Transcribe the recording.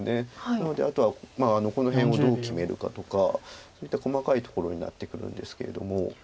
なのであとはこの辺をどう決めるかとかそういった細かいところになってくるんですけれども。